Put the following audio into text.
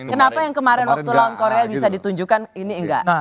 kenapa yang kemarin waktu lawan korea bisa ditunjukkan ini enggak